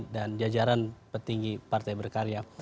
dan jajaran petinggi partai berkarya